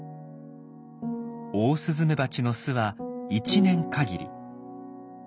オオスズメバチの巣は１年かぎり。